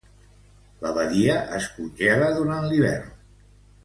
La badia es congela durant l'hivern.